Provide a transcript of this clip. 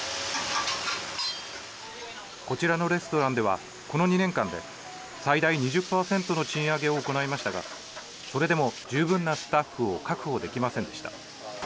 こちらのレストランでは、この２年間で、最大２０％の賃上げを行いましたが、それでも十分なスタッフを確保できませんでした。